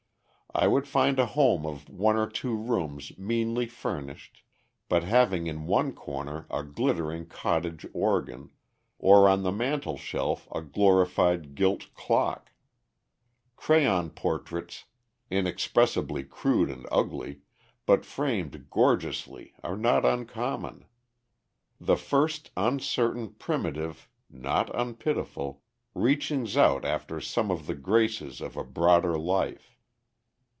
I would find a home of one or two rooms meanly furnished, but having in one corner a glittering cottage organ, or on the mantel shelf a glorified gilt clock; crayon portraits, inexpressibly crude and ugly, but framed gorgeously, are not uncommon the first uncertain, primitive (not unpitiful) reachings out after some of the graces of a broader life.